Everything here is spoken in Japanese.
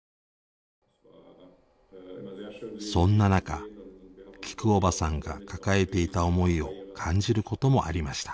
そんな中きくおばさんが抱えていた思いを感じることもありました。